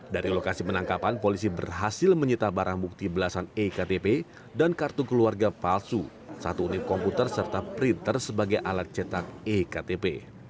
dari lokasi penangkapan polisi berhasil menyita barang bukti belasan ektp dan kartu keluarga palsu satu unit komputer serta printer sebagai alat cetak iktp